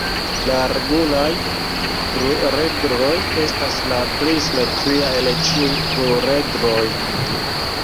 La regulaj pluredroj estas la plej simetria el ĉiuj pluredroj.